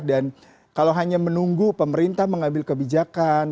dan kalau hanya menunggu pemerintah mengambil kebijakan